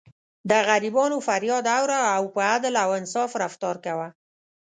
د غریبانو فریاد اوره او په عدل او انصاف رفتار کوه.